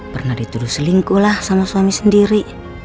pernah dituduh selingkuh lah sama suami sendiri